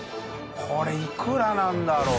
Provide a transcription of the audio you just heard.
これいくらなんだろう？